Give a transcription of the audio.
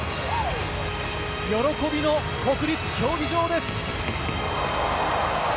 喜びの国立競技場です！